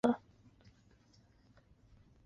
反潮流被毛泽东称为马克思列宁主义的原则。